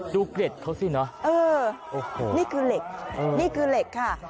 เกร็ดเขาสิเนอะเออโอ้โหนี่คือเหล็กนี่คือเหล็กค่ะ